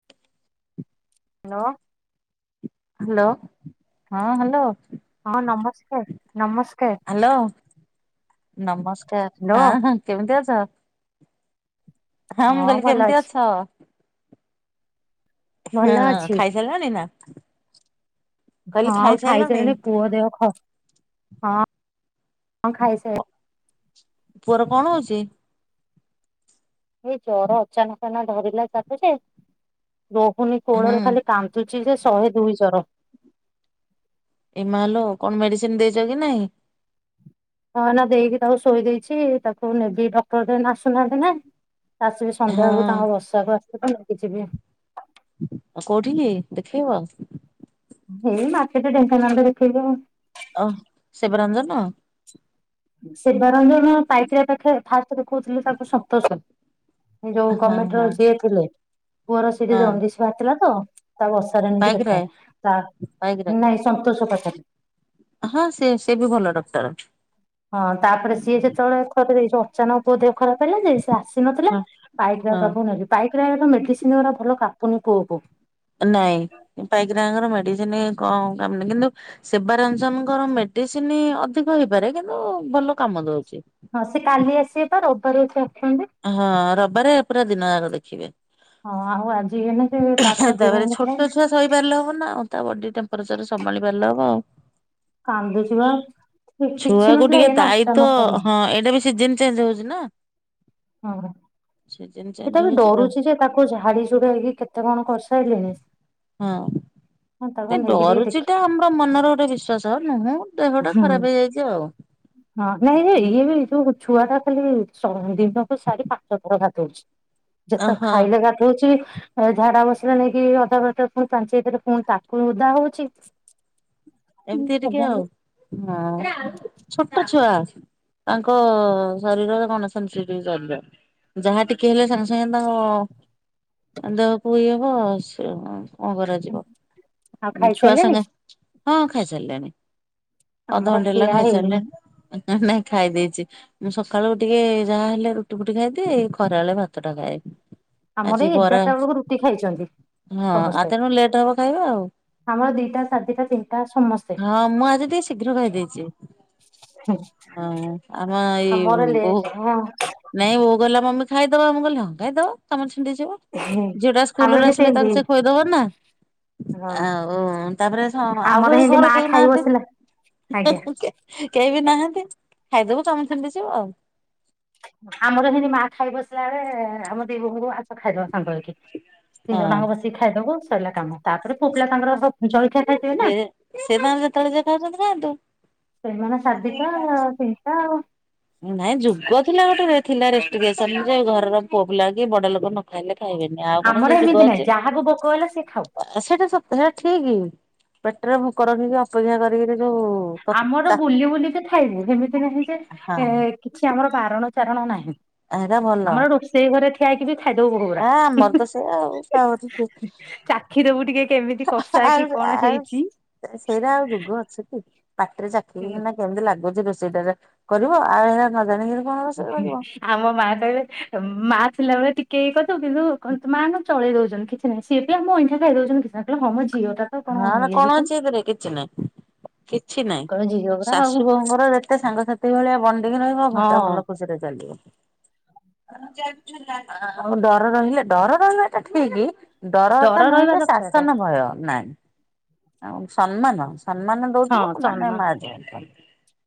[inaudible] ଲୋ। Hello, ହଁ hello. ହଁ, ନମସ୍କାର, ନମସ୍କାର। ହାଲୋ! ନମସ୍କାର ହ୍ୟାଲୋ ହଁ, ହଁ କେମିତି ଅଛ? ହଁ, ମୁଁ କହିଲି ଭଲ କେମିତି ଅଛି। ଅଛ? ଭଲ ହୁଁ ଅଛି ଖାଇ ହେଲଣି ନା। କହିଲି ହଁ ଖାଇସାରିଲଣି? ଖାଇସାରିଲି। ପୁଅ ଦେହ ଖ ହଁ, ଖାଇସାରି ପୁଅର କଣଁ ହଉଚି? ଏଇ ଜର ଅଚାନକ ନା ଧରିଲା ତାକୁ ଯେ, ରହୁନି ହୁଁ କୋଳରେ ଖାଲି କାନ୍ଦ ଦୁଚି ଯେ, ଶହେ ଦୁଇ ଜର। ଏମାଲୋ କଣ ମେଡିସିନ ଦେଇଚ କି ନାଇଁ। ହଁ ନା ଦେଇକି ତାକୁ ଶୋଇ ଦେଇଛି ତାକୁ ନେବି ଡକ୍ଟର ତ ଆସୁନାହାନ୍ତି ନା। ଆସିବି ସନ୍ଧ୍ୟା ବେଳକୁ ହଁ। ତାଙ୍କ ବସାକୁ ଆସିବ ନେଇକିଯିବି। ଆଉ କୋଉଠିିକି ଦେଖେଇବ। ଏଇ ମାର୍କେଟ ଢେଙ୍କାନାଳରେ ଦେଖେଇବା। ଅଁ ଶିବରଞ୍ଜନ। ଶିବରଞ୍ଜନ ପାଇକିରାୟ ପାଖେରେ ଫାଷ୍ଟ ଦେଖୋଉଥୁଲୁ ତାକୁ ସନ୍ତୋଷ ଯୋଉ ହଁ ହଁ ଗମେଣ୍ଟର ଯିଏ ଥିଲେ ପୁଅର ସେଟି ହଁ। ଦନଡିଶ ବାହାର ଥିଲା ତ ତା ବସାରେନେଇକି ପାଇକରାୟ ଦେଖାଏ ତା ପାଇକରାୟ ନାଇଁ ସନ୍ତୋଷ ପାଖରେ। ହଁ ସେ ସେ ବି ଭଲ ଡକ୍ଟର। ହଁ ତାପରେ ସିଏ ଯେତେବେଳେଥରେ ଯୋ ଅଚାନକ ପୁଅ ଦିହ ଖରାପ ହେଲା ଯେ ସି ଆସି ନଥିଲେ ହଁ ପାଇକରୟ ହଁ ପାଖକୁ ନେକି ପଇକରାୟ ପାଖକୁ ମେଡିସିନ୍ ଗୁଡ଼ା ଭଲ କଟୁନି ପୁିୁଅକୁ। ନାଇଁ ପାଇକିରାୟଙ୍କର ମେଡିସିନ କଁ କାମ କିନ୍ତୁ ଶିବାରଞ୍ଜନଙ୍କର ମେଡିସିନ ଅଧିକ ହେଇପାରେ କିନ୍ତୁ ଭଲ କାମ ଦଉଚି। ହଁ ସେ କାଲି ଆସିବେ ପା ରବିବାର ଆସୁଛନ୍ତି ହଁ ରବିବାରେ ପୁରା ଦିନ ୟାଙ୍କ ଦେଖିବେ। ହଁ ଆଉ ଆଜି ତାପରେ ଇୟେ [unintelligible] ଛୋଟ ଛୁଆ ସଇପାରିଲେ ହବ ନା ଆଉ ତା ବଡି ଟେମ୍ପଚର ସମାଳି ପାରଲେ ହବ ଆଉ। କାନ୍ଦୁଛି ବା କିଛି ଛୁଆକୁ ନଥିଲା ଟିକେ ଏଇନା ଦାୟିତ୍ବ ଅଚାନକ ହେଲା ହଁ ଏଇଟା ବି ସିଜିନ ଚେଞ୍ଜ ହଉଚି ନା। ଅଁହଁ। ସିଜନ ଚେଞ୍ଜ ଏଟା ବି ହଉଛି ତ ଡରୁଚି ଯେ ତାକୁ ଝାଡି ଚୁଡି ହେଇକି କେତେ କଣ କରସାରଲେଣି। ହଁ। ଏ ଡରୁଚିଟା ଆମର ମନର ଗୋଟେ ବିଶ୍ଵାସ ନୁହୁଁ ଦେହଟା ଦେଖି ଖରାପ ହେଇଯାଇଚି ଆଉ। ହଁ ନାଇଁ ଯେ ଇଏ ବି ଯୋଉ ଛୁଆ ଟା ଖାଲି ସବୁ ଦିନକୁ ସାଢେପାଞ୍ଚ ଥର ଗାଧୋଉଚି। ଯେତେ ଓହୋ ଖାଇଲେ ଗାଧୋଉଚି। ଝାଡା ବସିଲା ନେଇକି ଅଧା ଘଣ୍ଟା ପୁଣି ପାଞ୍ଚେଇ ଦେଲେ ପୁଣି ତାକୁ ଓଦା ହଉଚି। ଏମିତି ଟିକେ ଆଉ ହଁ ଛୋଟ ଛୁଆ। ତାଙ୍କ ଶରୀରରେ କଣ ନେସେନସି ଚଲିବ। ଯାହା ଟିକେ ହେଲେ ସାଙ୍ଗେ ସାଙ୍ଗେ ତାଙ୍କ ଦେହକୁ ଇ ହବ ସେ କଣ କରଯିବା ଆଉ ଛୁଆ ଖାଇସାରିଲେଣି ସାଙ୍ଗେ ହଁ ଆମର ଖାଇସାରିଲେଣିଅଧଘଣ୍ଟା ହେଲା ଖିଆ ହେଇନି ଖାଇସାରିଲେଣ ନାଇଁ ଖାଇ ଦେଇଚି। ମୁଁ ସକାଳୁ ଟିକେ ଯାହା ହେଲେ ରୁଟି ଫୁଟି ଖାଇଦି ଖରା ବେଲେ ଭାତ ଟା ଖାଏ। ଆମର ଆଜି ଏଇ ବରା ଏଗାରଟା ବେଳକୁ ରୁଟି ଖାଇଛନ୍ତି ହଁ ସମସ୍ତେ ଆଗେନୁ ଲେଟ ହବ ଖାଇବା ଆଉ। ଆମର ଦିଟା ସାଢ଼ଟା ତିନିଟା ସମସ୍ ହଁ ମୁଁ ଆଜି ଟିକେ ଶୀଘ୍ର ଖାଦେଇଚି। ହଁ ଆମ ଏଇ ଆମର ଲେଟ ବହୁ ହଁ ନାଇଁ ବୋହୂ କହିଲା ମମି ଖାଇଦବା ମୁ କହିଲି ହଁ ଖାଇଦବା କାମ ଛିଣ୍ଡିଯିବ। ଯୋଉଟା ଆମେ ସ୍କୁଲରେ ବି ଆସିଲେ ସେମିତି ତାକୁ ସେ କହିଦବ ନା। ହଁ ଆଉ ତାପରେ ଆଉ ଆମର କେ ସେମିତି ଘରେ ମା କେହି ଖାଇ ନାହାନ୍ତି। ବସିଲା ଆଜ୍ଞା କେହି ବି ନାହାନ୍ତି ଖାଇଦବ ଚିଣ୍ଡି ଯିବ ଆଉ ଆମର ଏମିତି ମା ଖାଇ ବସିଲା ବେଳେ ଆମ ଦି ବୋହ ଖାଇଦବା ସାଙ୍ଗ ହେଇକି ତିନି ହଁ। ଜଣାଙ୍କୁ ବସିକି ଖାଇଦବୁ ସରିଲା କାମ। ତାପରେ ପୁଅ ପିଲା ତାଙ୍କର ଜଳଖିଆ ଖାଇଥିବେ ନା। ଯେ ସେ ତାଙ୍କର ଯେତେବେଳେ ଯିଏ ଖାଉଛନ୍ତି ଖାଆନ୍ତୁ। ସେମାନେ ସାଧିକା ନାଇଁ ଯୁଗ ଥିଲା ଗୋଟେ ଥିଲା ରେଷ୍ଟିକ ରେଶନ ଘର ପୁଅ ପିଲା କି ବଡ ଲୋକ ନ ଖାଇଲେ ଖାଇବେନି ଆଉ କଣ ଆମର ଏମିତି ନାହିଁ ଯାହାକୁ ଭୋକ ହେଲା ସେ ଖାଉ। ଆ ସେଇଟା ସପ୍ତ ଠିକ ପେଟରେ ଭୋକ ରଖିକି ଅପେକ୍ଷା କରିକିରି ଯୋଉ ହଁ ଆମର ବୁଲି ବୁଲି ତ ଥାଇବି ସେମିତି ନାହିଁ ଯେ ଏ ହଁ। କିଛି ଆମର ବାରଣ ଚାରଣ ନାହିଁ ଏଇଟା ଭଲ ଆମର ରୋଷେଇ ଘରେ ଠିଆ ହେଇକିରି ଖାଇଦବୁ ବୋହୂ ଗୁରା ଆ ଆମର ତ ସେଇଆ ଆଉ ଚାଖିଦବୁ ଟିକେ କେମିତି କଷ୍ ଆଉ ଆଉ ସେଇଟା ଆଉ ଯୁଗ ଅଛି କି ପାଖରେ ଚାକିର କେମିତି ଲାଗୁଛି ରୋଷେଇଟରେ କରିବ ଆଉ ଏ ନ ଜାଣିକି। ଆମ ମା କହିଲେ ମା ଥିଲାବେଳେ ଟିକେ ଇ କଥାୁ କିନ୍ତୁ କହନ୍ତୁ ମା କୁ ଚଳେଇ ଦଉଛନ୍ତି କିଛି ନାହିଁ ସିଏ ବି ଆମ ଅଇଁଠା ଖାଇ ଦଉଛନ୍ତି କିଛି ନା କହିଲେ ହମଝଅ ଟା। ନା ନା କଣ ଅଛି ଏଥିରେ କିଛି ନାହିଁ କିଛି ନାଇଁ। ତାଙ୍କର ଝିଅ ପରା ଆଉ ଶାଶୁ ବୋହୂଙ୍କର ଯେତେ ସାଙ୍ଗସାଥିୀ ଭଳିଆ ବଣ୍ଡିିକି ରହିବ ଘରଟା ହଁ ଭଲ ଖୁସିରେ ଚାଲିବ। ଡର ରହିଲେ ଡର ରହିଲା ତ ଠିକ। ଦର ଡର ଅର୍ଥ ନୁହଁ ରହିବା ତ ଦରକାର ଶାସନ ଭୟ ନାହିଁ। ଆଉ ସମ୍ମାନ ସମ୍ମାନ ହଁ ଦଉଥିବ ମାନେ ସମାନ। ମା ଯ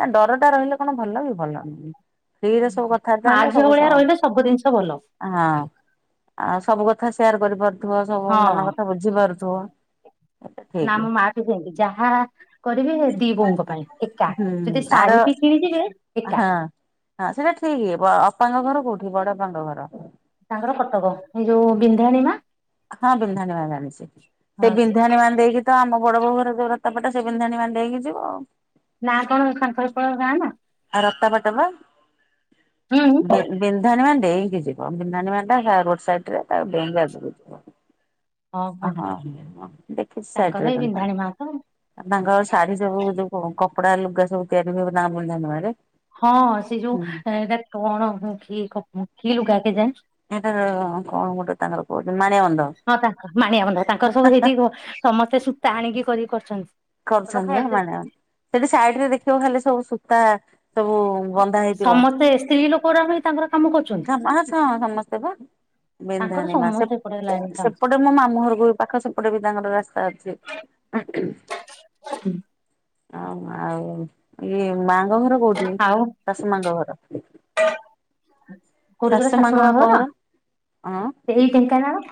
ନା ଡର ଟା ରହିଲେ କଣ ଭଲ କି ଭଲ ନୁହେଁ। ଫ୍ରୀ ସବୁ କଥାବାର୍ତା ମା ହେଲେ ଝିଅ ସବୁ ଭଳିଆ ସମା ରହିଲେ ସବୁ ଜିନିଷ ଭଲ ହଁ ଆଉ ସବୁ କଥା ସେୟାର କରିପାରୁଥିବ ସବୁ ମନ କଥା ବୁଝି ପାରୁଥିବ। ଏଟା ଠିକ। ନାମ ମାଟି ସେତି ଯାହା କରିବେ ଦି ବୋଉଙ୍କ ପାଇଁ ଏକା ହୁଁ ଯଦି ଆର ଶାଢୀ ପି କିଣିଯିବେ ହଁ। ଏକା। ହଁ ସେଇଟା ଠିକ ବାପାଙ୍କ ଘର କୋଉଠି ବଡପାଙ୍କ ଘର। ତାଙ୍କର କଟକ ଏଇ ଯୋଉ ବିନ୍ଧାଣିୀ ମା। ହଁ ବିନ୍ଧାାଣିମା ଜାଣଛିି ସେ ବିନ୍ଧାଣିମା ଦେଇକି ତ ଆମ ବଡ ବୋଉ ଘର ଯୋଉ ରତାପଟା ସେ ବିନ୍ଧାଣିମା ଡେଇକି ଯିବ ନାଁ କଣ ସାଙ୍କରପଳ ଗାଁ ନା। ଆଉ ରକ୍ତପଟା ବା ହୁଁ ହୁଁ ଦେ ବିନ୍ଧାଣିମା ଡେଇଁକି ଯିବ ବିନ୍ଧାଣିମା ଟା ରୋଡ ସାଇଡ ରେ ତାକୁ ଡେଇଁକି ଆଗକୁ ଯିବ। ହଁ ଦେଖିଛି ତାଙ୍କର ଶାଇଟରେ ଏଇ କ ବିନ୍ଧାଣୀ ମା ତ ଆ ତାଙ୍କ ଶାଢୀ ସବୁ ଯୋଉ କପଡା ଲୁଗା ସବୁ ତିଆରି ହବ ତାଙ୍କ ବୁଧା ନୁଆଁରେ। ହଁ ସେ ଯୋଉ ଏଇଟା କଣ କି କ କି ଲୁଗା କେଜାଣି। ଏଟ କଣ ଗୋଟେ ତାଙ୍କର କହୁ ମା ହଁ ତାଙ୍କ ମାଣିଆ ବନ୍ଧା ତାଙ୍କର ସବୁ ସେଇଠି ସମସ୍ତେ ସୂତା ଆଣିକି କରିକି କରଛନ୍ତି। କରୁଛନ୍ତି ବା ମାନେ ସେଠି ସାଇଡ ରେ ଦେଖିବ ଖାଲି ସବୁ ସୂତା ସବୁ। ବନ୍ଧା ହେଇଥିବ। ସମସ୍ତେ ସ୍ତ୍ରୀ ଲୋକ ଗଡା ଭି ତାଙ୍କର କାମ କରୁଛନ୍ତି। ମା ହ ସମସ୍ତେ ପା ତାଙ୍କର ବିନ୍ଧଣୀମା ସ ସମସ୍ତେ ଏପଟେ ଲାଇନ କାମ ସେପଟେ ମୋ ମାମୁଁ ଘରକୁ ବି ପାଖ ସେପଟେ ବି ତାଙ୍କର ରାସ୍ତା ଅଛି। ହୁଁ ହ ଆଉ ଇଏ ମାଙ୍କ ଘର କୋଉଠି ଆଉ ଚାଷ ମାଙ୍କ ଘର। କୋଉଠି କହିଲ ମାଙ୍କ ଶାଶୁ ବାପ ମାଙ୍କର ଘର ହଁ ସେ ଏଇ ଢେଙ୍କାନାଳ।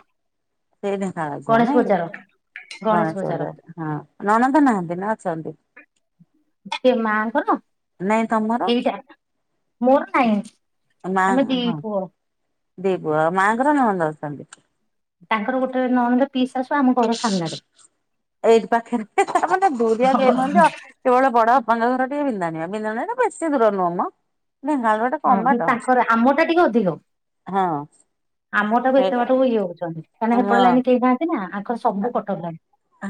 ସେଇ ଦେ ଖାିବ ଗଣେଶ ନା ଏଇ ବଜାର ଗଣେଶ ଚୌଜାର ହଁ ନନନ୍ଦ ନାହାନ୍ତି ନା ଅଛନ୍ତି। ସେ ମାଆଙ୍କର। ନାଇଁ ତମର ଏଇଟା ମୋର ନାଇଁ ମା ଆମେ ଦି ହଁ ପୁଅ। ଦି ପୁଅ ମାଙ୍କର ନନନ୍ଦ ଅଛନ୍ତି। ତାଙ୍କର ଗୋଟେ ନନନ୍ଦ ପିଇସି ଶାଶୁ ଆମ ଘର ସାମ୍ନାରେ। ଏଇଠି ପାଖରେ ତାମାନେ ଦୁରିଆ ଦେଇ ନାହାନ୍ତି ଆଉ କେବଳ ବଡବାପାଙ୍କ ଘର ଟିକେ ବିଧା ନିଆ ବିନ୍ଧାନ ନା ବେଶି ଦୂର ନୁହମ ବିନ ହଁ ତାଙ୍କର ଆମ ଟା ଟିକେ ଅଧିକ ହଁ ଆମଟାକୁ ଏତେ ସେଇଟା ବାଟକୁ ଇଏ ହଉଛନ୍ତି। କଣ ନା ହେପଟ ଲାଇନ ହଁ କେହି ଥାନ୍ତି ନା ଆଙ୍କର ସବୁ କଟକ ଲାଇନ।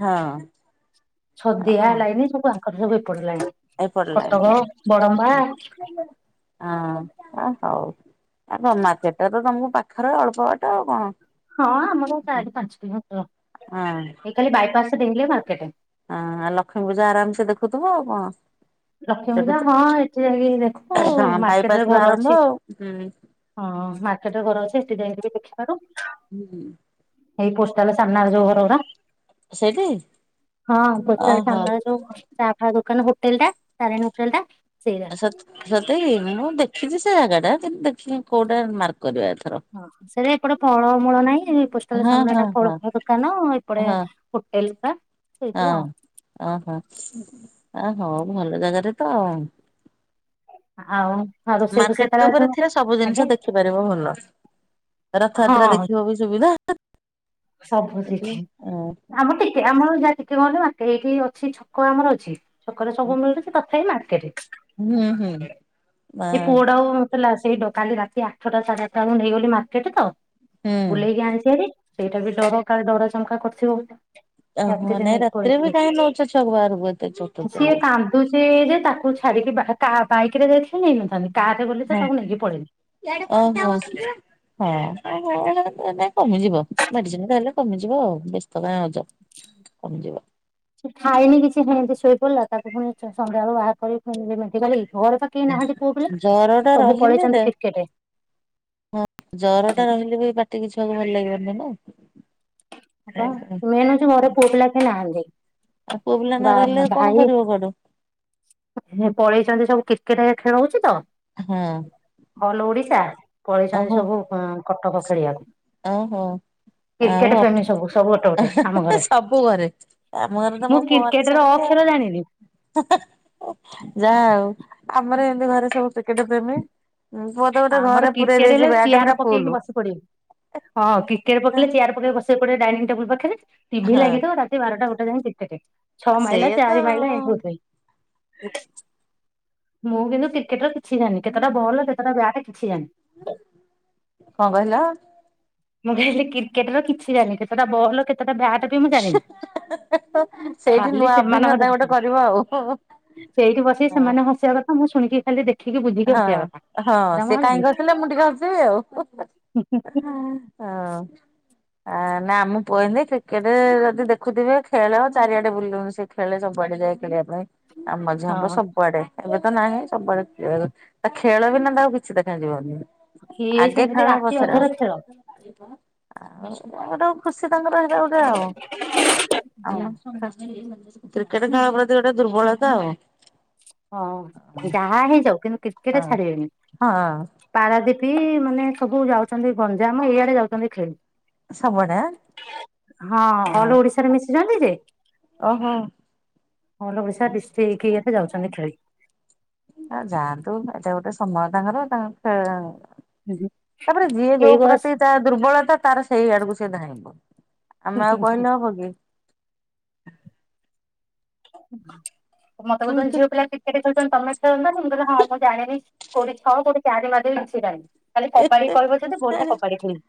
ହଁ ଛଦିଆ ହଁ ଲାଇନି ସବୁ ଆଙ୍କର ସବୁ ଏପଟ ଲାଇନ ଏପଟ ଲାଇନ୍ କଟକ ରେ ବଡମ୍ବା। ହଁ ହଉ ଆ ତମାକଟର ତ ତମକୁ ପାଖରେ ଅଳ୍ପ ବାଟ ଆଉ କଣ। ହଁ ଆମର ଚାର ପାଞ୍ଚ ହଁ କିଲୋମିଟର ଖାଲି ବାଇପାସ ଡେଇଲେ ମାର୍କେଟ। ହଁ ଆଉ ଲକ୍ଷ୍ମୀ ପୂଜା ଆରାମସେ ଦେଖୁଥିବ ଆଉ କଣ। ଲକ୍ଷ୍ମୀ ସେଠୁ ପୂଜା ତ ହଁ ଏଠି ଯାଇକି ଦେଖୁ ହଁ ମାର୍କେଟ ବାଇପାସ ରେ ରୁ ଘର ଆରମ୍ଭ ଅଛି। ଆଉ ହୁଁ ହଁ ମାର୍କେଟରେ ଘର ଅଛି ଏଠି ଯାଇକି ବି ଦେଖିପାରୁ। [unintelligible] ଏଇ ପୋଷ୍ଟାଲା ସାମ୍ନା ରେ ଯୋଉ ଘର ଗୁରା। ସେଇଠି ହଁ ପୋଷ୍ଟାଲ ଓହୋ ସାମ୍ନା ରେ ଯୋଉ ଚା ଫା ଦୋକାନ ହୋଟେଲଟା ତାରିଣୀ ହୋଟେଲଟା ସେ। ସତେକି ମୁଁ ଦେଖିଛି ସେ ଜାଗା ଟା କିନ୍ତୁ ଦେଖି କୋଉଟା ମାର୍କ କରିବା ଏଥର। ହଁ ସେଟ ଏପଟେ ଫଳମୂଳ ନାହିଁ ପୋଷ୍ଟାଲ ହଁ ସାମ୍ନା ହଁ ଟା ଫଳ ହଁ ଫଳ ଦୋକାନ ଏପଟେ ହଁ ହୋଟେଲ ଟା। ସେଇଠି ହଁ ଆଉ ଓହୋ ଆ ହୋ ଭଲ ଜାଗାରେ ତ। ଆଉ ଆଉ ରୋଷେଇ ଫୋଷେଇ ତାର ମାର୍କେଟ ଉପରେ ଯୋଉ ଥିଲା ସବୁ ଆଜ୍ଞା ଜିନିଷ ଦେଖି ପାରିବ ଭଲ। ହଁ ରଥଯାତ୍ରା ଦେଖିବ ବି ସୁବିଧା। ସବୁ ହୁଁ କିଛି। ଆମ ଟିକେ ଆମର ଯାହା ଟିକେ କଣ କହିଲୁ ବାଙ୍କେ ହେଇକି ଅଛି ଛକ ଆମର ଅଛି। ଛକରେ ସବୁ ମିଳୁଛି ତଥାପି ମାର୍କେଟରେ ହୁଁ ବା ଏ ପୁଅଟା ଆଉ ଥିଲା ସେଇଟ କାଲି ରାତି ଆଠଟା ସାଢେ ଆଠଟା ବେଳ କୁ ନେଇଗଲି ମାର୍କେଟ ତ ହୁଁ। ବୁଲେଇକି ଆଣିଚି ହାରୀ ସେଇଟା ବି ଡର କାଳେ ଡର ଚମଙ୍କା କରିଥିବ ବୋଲି। ଅହୋ ନାଇଁ ରାତିରେ ବି କାହିଁ ନଉଛ ଛୁଆ ବାହାରକୁ ଏତେ ଛୋଟ ଛୁଆ କୁ? ଛି ଯେ ତାକୁ ଛାଡିକି କାହା ବାଇକିରେ ଯାଇଥିଲେ ନେଇନଥାନ୍ତି। କାର ରେ ଗଲି ତ ହଁ ତାକୁ ନେଇକି ପଳେଇଲି। ଓ ହୋ। ହଁ ଏ କମିଯିବ ମେଡିସିନ ଖାଇଲେ କମିଯିବ ଆଉ ବ୍ୟସ୍ତ କାଈ ହେଉଛ। କମିଯିବ। ଖାଇନି କିଛି ସେମିତି ଶୋଇ ପଡ଼ିଲା ତାକୁ ପୁଣି ସନ୍ଧ୍ୟାବେଳୁ ବାହାର କରି ଫୁଣି ଯିବି ମେଡିକାଲ ଘର କେହି ନାହାନ୍ତି ପୁଅ ପିଲା ଜର ଟା ସବୁ ରହିଲେ ଦେ ପଳେଇଛନ୍ତି କ୍ରିକେଟ। ଜର ଟା ରହିଲେ ବି ପାଟି କିି କିଛି ଭଲ ଲାଗିବନି ନା। ଖାଇବା। ମେନ ହେଉଚି ଘରେ ପୁଅପିଲା କେହି ନାହାନ୍ତି। ଆଉ ପୁଅ ପିଲା ନ ବା ରହିଲେ କଣ ଭାଇ କରିବ ଘରେ। ପଳେଇଛନ୍ତି ସବୁ କ୍ରିକେଟ ଖେଳ ହଉଛି ତ। ହଁ ଅଲ ଓଡିଶା ପଳେଇଛନ୍ତି ସବୁ କଟକ ଖେଳିବାକୁ। ଓ ହୋ କ୍ରିକେଟ ଆଉ ପ୍ରେମୀ ସବୁ ସବୁ ଗୋଟେ ଗୋଟେ ଆମ ଘରେ [unintelligible] ସବୁ ଘରେ ଆମ ଘରେ ତ ମୁଁ ମୋ ପୁଅ କ୍ରିକେଟ ମାନେ ର ସେମିତି। ଅକ୍ଷର ଜାଣିନି। ଯା ହୋଉ ଆମର ଏମିତି ଘରେ ସବୁ କ୍ରିକେଟ ପ୍ରେମୀ। ପୁଅ ତ ଗୋଟେ ଆମର ଘରେ ପୁରେଇ କ୍ରିକେଟ ଦେଇଛି ହେଲେ ବ୍ୟଟ ଚେୟାର ପୁରା ପକେଇକି ଫୁଲ। ବସି ପଡିବୁ। ହଁ କ୍ରିକେଟ୍ ପକେଇଲେ ଚେୟାର ପକେଇ ବସିବ ଏପଟେ ଡାଇିଂ ଟେବୁଲ ପାଖରେ ଟିଭି ହଁ ଲାଗିଥିବ ବାରଟା ଗୋଟେ ଯାଇଏ ଟିଭି ଲାଗିଥିବ ଛଅ ମାଇଲା ସେଇଆ ତ ଚାରି ମାଇଲା ଏମିତି ଆଉ ହେଉଥିବେ। ମୁଁ କିନ୍ତୁ କ୍ରିକେଟ ର କିଛି ଜାଣିନି କେତେଟା ବଲ କେତଟା ବ୍ୟାଟ୍ କିଛି ଜାଣିନି। କଣ କହିଲ? ମୁଁ କହିଲି କ୍ରିକେଟ ର କିଛି ଜାଣିନି କେତଟା ବଲ୍ କେତଟା ବ୍ୟାଟ୍ ବି ମୁଁ ଜାଣିନି ସେଇଠି ଖାଲି ନୂଆ ସେମାନ କତ୍ ଅଭିଜ୍ଞତା ଗୋଟେ କରିବ ସେଇଠି ବସି ଆଉ। ସେମାନେ ହସିବା କଥ୍ ହଁ ମୁଁ ଶୁଣିକି ଖାଲି ଦେ ହଁ ହଁ ସେ କାହିଁକି ହସିଲେ ମୁଁ ଟିକେ ହସିଦେବୀ ଆଉ ହୁ ହୁ। ହଁ ଆ ନା ମୁଁ ପୋଏନେ କ୍ରିକେଟେରେ ଯଦି ଦେଖୁଥିବେ ଖେଳ ଚାରିଆଡେ ବୁଲୁନି ସେ ଖେଳେ ସବୁଆଡେ ଯାଏ ଖେଳିଆ ପାଇଁ ଆମ୍ ମଝିଆଁ ପୁଅ ହଁ ସବୁଆଡେ ଏବେ ତ ନାହିଁ ସବୁଆଡେ ଏ ଖେଳ ବିନା ତାକୁ କିଛି ଦେଖା ଯିବନି ଇଏ ଆଗେ ସେମିତି ଖେଳ ରାତି ପଛରେ ଆ ଅଧର ଖେଳ। ଆଗ୍ ଡୁପ୍। ଖୁସି ତାଙ୍କର ହେରା ଗୋଟେ ଆଉ ହଁ ଆମସ ବେଶ୍ କ୍ରିକେଟେ ଖେଳ ପ୍ରତି ଗୋଟେ ଦୁର୍ବଳତା ଆଉ। ହଁ, ଯାହା ହେଇଯାଉ କିନ୍ତୁ କିର୍କେଟ ଛାଡିବେନି। ହଁ। ପାରାଦୀପୀ-ଇ ମାନେ ସବୁ ଯାଉଛନ୍ତି ଗଞ୍ଜାମ ଏଇଆଡେ ଯାଉଛନ୍ତି ଖେଳି। ସବୁଆଡେ ହଁ ଆଁ ଅଲ ଓଡିଶାରେ ମିଶିଚନ୍ତି କି? ଓହୋ। ଅଲ ଓଡ଼ିଶା ଡିଷ୍ଟିକ ଇଏରେ ଯାଉଛନ୍ତି ଖେଳି। ଆ ଯାଆନ୍ତୁ ଏଟା ଗୋଟେ ସମୟ ତାଙ୍କର ତାଙ୍କ ଖ ହୁଁ ତାପରେ ଯିଏ ଯୋଉ ଏଇ ବୟସ ପ୍ରତି ତା ଦୁର୍ବଳତା ତାର ସେଇ ଆଡୁକୁ ସିଏ ଧାଇଁବ ଆମେ ଆଉ କହିଲେ ହବ କି? ମତେ କୋଉଛନ୍ତି ଝିଅ ପିଲା ଟି କ୍ରିକେଟ୍ ଖେଳୁଚନ୍ତି ତମେ ଖେଳୁନ ମୁଁ କଲି ହଁ ମୁଁ ଜାଣିନି କୋଉଠି ଛଅ କୋଉଠି ଚାରି ମାରିଦେବି କିଛି ଜାଣିନି‌? ଖାଲି କବାଡ଼ି କହିବ ଯଦି ବଢିଆ କବାଡ଼ି ଖେଳି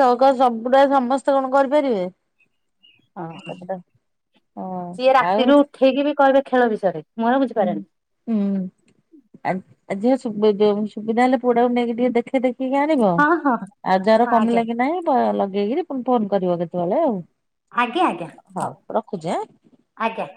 ସୋଅଗ ସବୁଡା ସମସ୍ତେ କଣ କରିପାରିବେ? ହଁ ସବୁଟା ହଁ ସିଏ ଆଉ ରାତିରୁ ଉଠେଇକି ବି କହିବେ ଖେଳ ବିଷୟରେ? ମୁଁ ଏରା ହୁଁ। ବୁଝିପାରେନି ହୁଁ ଆ ଆଜି ସୁବିଦେ ଉଁ ସୁବିଧା ହେଲେ ପୁଅଟାକୁ ନେଇକି ଟିକେ ଦେଖେଇ ଦେବି। ଦେଖେଇକି ଆଣିବ ହଁ ହଁ ଆ ଜର ହଁ ଆଜ୍ଞା। କମିଲା କି ନାହିଁ ବ ଲଗେଇକିରି ପୁଣି ଫୋନ କରିବ କେତବେଳେ ଆଉ ଆଜ୍ଞା ଆଜ୍ଞା ହଉ ରଖୁଛି ଆଁ। ଆଜ୍ଞା।